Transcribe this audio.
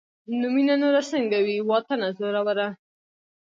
نو مينه نوره سنګه وي واطنه زوروره